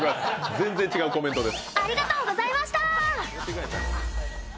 全然違うコメントです。